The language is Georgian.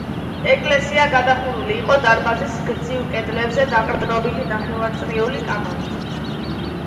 ეკლესია გადახურული იყო დარბაზის გრძივ კედლებზე დაყრდნობილი ნახევარწრიული კამარით.